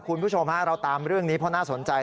คุณผู้ชมฮะเราตามเรื่องนี้เพราะน่าสนใจ